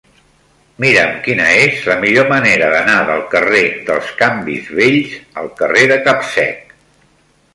Mira'm quina és la millor manera d'anar del carrer dels Canvis Vells al carrer de Capsec.